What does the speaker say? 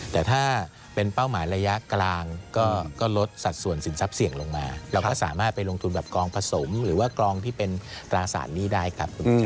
แต่ถ้าเป็นเป้าหมายระยะกลางก็ลดสัดส่วนสินทรัพย์เสี่ยงลงมาเราก็สามารถไปลงทุนแบบกองผสมหรือว่ากรองที่เป็นตราสารหนี้ได้ครับ